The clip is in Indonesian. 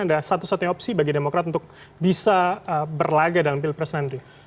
ada satu satunya opsi bagi demokrat untuk bisa berlaga dalam pilpres nanti